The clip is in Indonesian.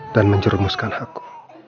dan mencermuskan aku